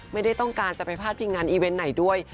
ไม่ได้ต้องการจะไปพาดพิงงานอีเวนต์ไหนด้วย